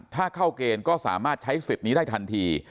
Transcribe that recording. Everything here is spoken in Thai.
ถ้าเข้าเกณฑ์ก็สามารถใช้สิทธิ์นี้ได้ทันที